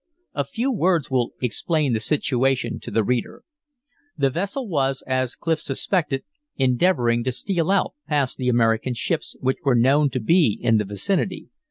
A few words will explain the situation to the reader. The vessel was, as Clif suspected, endeavoring to steal out past the American ships, which were known to be in the vicinity.